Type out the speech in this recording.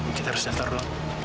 yuk kita harus datang dulu